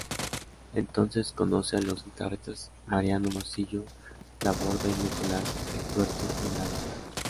Entonces conoce a los guitarristas Mariano Morcillo Laborda y Nicolás "El Tuerto" en Granada.